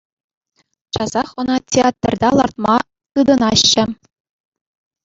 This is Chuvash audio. Часах ӑна театрта лартма тытӑнаҫҫӗ.